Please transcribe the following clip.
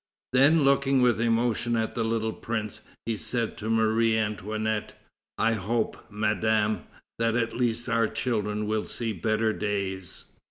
Then, looking with emotion at the little Prince, he said to Marie Antoinette: "I hope, Madame, that at least our children will see better days!"